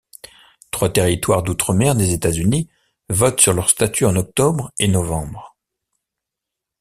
Trois territoires d'outre-mer des États-Unis votent sur leur statut en octobre et novembre.